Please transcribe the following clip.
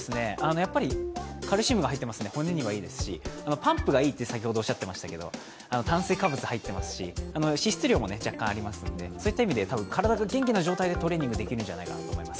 やっぱりカルシウムが入っていますので骨にはいいですし、パンプがいいと先ほどおっしゃっていましたけど炭水化物入ってますし、脂質量も若干ありますのでそういった意味で体が元気な状態で、トレーニングできるんじゃないかと思います。